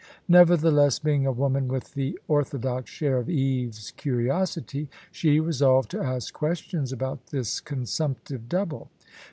Nevertheless, being a woman with the orthodox share of Eve's curiosity, she resolved to ask questions about this consumptive double.